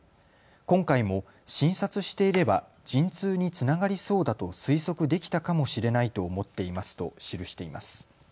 今回も診察していれば、陣痛につながりそうだと推測できたかもしれないと思っていますと記しています。